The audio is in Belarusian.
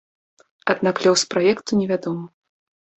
Аднак лёс праекту невядомы.